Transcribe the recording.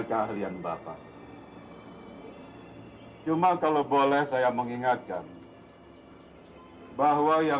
sampai jumpa di video selanjutnya